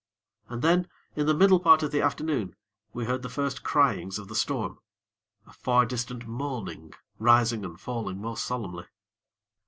And then, in the middle part of the afternoon, we heard the first cryings of the storm a far distant moaning, rising and falling most solemnly.